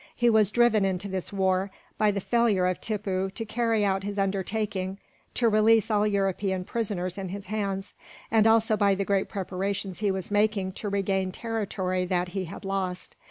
He was driven into this war, by the failure of Tippoo to carry out his undertaking to release all European prisoners in his hands, and also by the great preparations he was making to regain territory that he had lost.